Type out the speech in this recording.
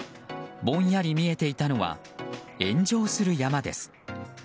ぼんやり見えていたのは炎上する山です。